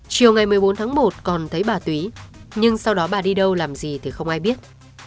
chiều ngày một mươi bốn tháng một còn thấy bà túy nhưng sau đó bà đi đâu làm gì thì không ai biết